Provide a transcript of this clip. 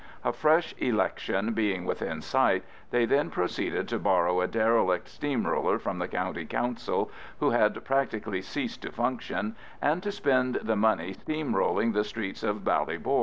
A fresh election being within sight, they then proceeded to borrow a derelict steam roller from the County Council, who had practically ceased to function, and to spend the money steam rolling the streets of Ballybor.